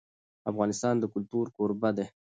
افغانستان د کلتور کوربه دی.